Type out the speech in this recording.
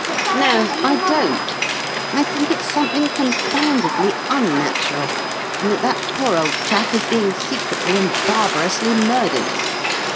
"No, I don't. I think it's something confoundedly unnatural, and that that poor old chap is being secretly and barbarously murdered.